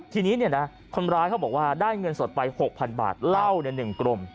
ทีนี้คนร้ายเขาบอกว่าได้เงินสดไป๖๐๐๐บาทเหล้าใน๑กรม